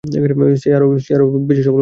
সে আরো বেশি সফল হতে পারত।